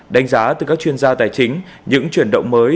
đánh giá từ các chuyên gia tài chính những chuyển động mới